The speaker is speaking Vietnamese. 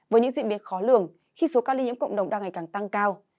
với những diễn biến khó lường khi số cao ly nhiễm cộng đồng đang ngày càng tăng cao